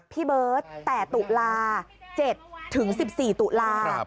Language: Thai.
พี่เบิร์ตแต่ตุลา๗ถึง๑๔ตุลา